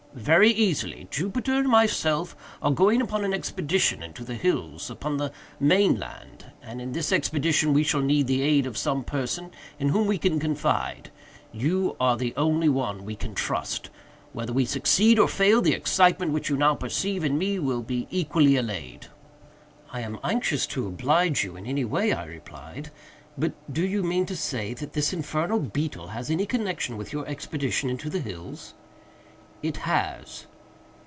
"Very easily. Jupiter and myself are going upon an expedition into the hills, upon the main land, and, in this expedition we shall need the aid of some person in whom we can confide. You are the only one we can trust. Whether we succeed or fail, the excitement which you now perceive in me will be equally allayed." "I am anxious to oblige you in any way," I replied; "but do you mean to say that this infernal beetle has any connection with your expedition into the hills?" "It has."